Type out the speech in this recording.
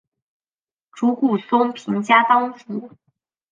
竹谷松平家当主。